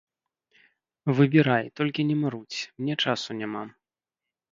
Выбірай, толькі не марудзь, мне часу няма.